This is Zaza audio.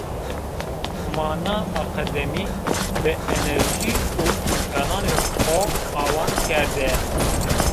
Ma na akademî bi enerjî û îmkananê xo awan kerde